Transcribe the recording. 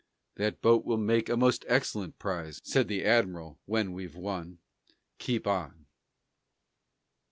"That boat will make a most excellent prize," Said the admiral, "when we've won. Keep on."